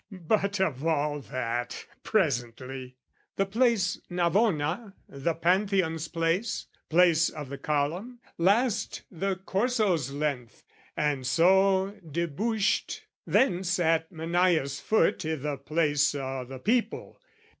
but of all that, presently!) "The Place Navona, the Pantheon's Place, "Place of the Column, last the Corso's length, "And so debouched thence at Mannaia's foot "I' the Place o' the People.